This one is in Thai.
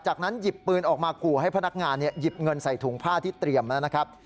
จากนั้นหยิบปืนออกมาขู่ให้พนักงานหยิบเงินใส่ถุงผ้าที่เตรียมแล้วนะครับ